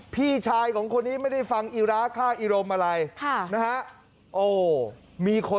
พี่ชายของคนนี้ไม่ได้ฟังอีระค่าอีรมอะไรนะฮะ